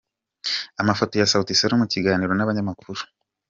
Amafoto ya Sauti Sol mu kiganiro n'abanyamakuru.